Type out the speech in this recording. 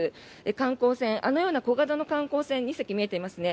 観光船、あのような小型観光船が見えていますね。